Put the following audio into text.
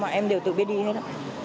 không ạ em đều tự biết đi hết ạ